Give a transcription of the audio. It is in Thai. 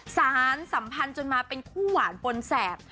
สารสัมพันธ์จนมาเป็นคู่หวานปนแสบ